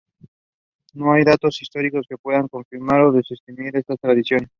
No hay datos históricos que puedan confirmar o desmentir estas tradiciones.